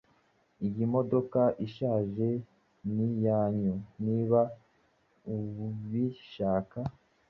Iyi modoka ishaje niyanyu niba ubishaka.